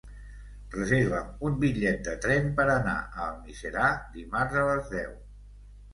Reserva'm un bitllet de tren per anar a Almiserà dimarts a les deu.